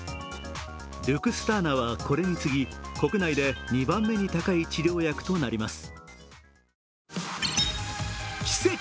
ルクスターナはこれに次ぎ国内で２番目に高い治療薬となります。